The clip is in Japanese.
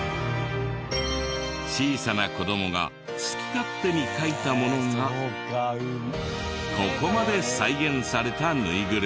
小さな子どもが好き勝手に描いたものがここまで再現されたぬいぐるみ。